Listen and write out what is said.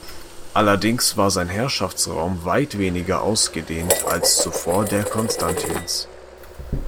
Allerdings war sein Herrschaftsraum weit weniger ausgedehnt als zuvor der Konstantins.